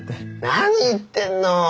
何言ってんの。